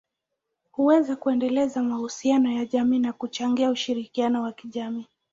huweza kuendeleza mahusiano ya kijamii na kuchangia ushirikiano wa kijamii.